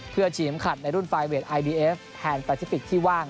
เพื่อฉีดเข็มขัดในรุ่นไฟเวทไอบีเอฟแทนแปซิฟิกที่ว่าง